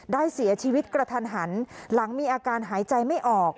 ได้เสียชีวิตกระทันหันหลังมีอาการหายใจไม่ออก